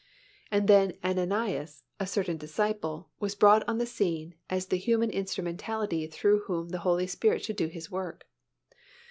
And then Ananias, "a certain disciple," was brought on the scene as the human instrumentality through whom the Holy Spirit should do His work (cf.